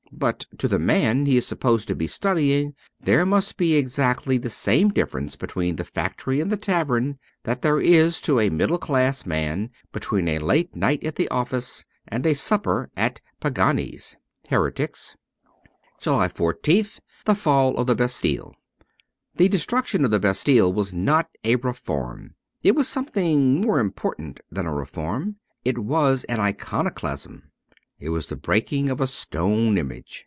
But to the man he is supposed to be studying there must be exactly the same difference between the factory and the tavern that there is to a middle class man between a late night at the office and a supper at Pagani's. 'Heretics.' 215 JULY 14th THE FALL OF THE BASTILLE THE destruction of the Bastille was not a reform : it was something more important than a reform. It was an iconoclasm ; it was the breaking of a stone image.